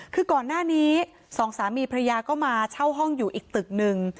คือก่อนหน้านี้สองสามีพระยาก็มาเช่าห้องอยู่อีกตึกหนึ่ง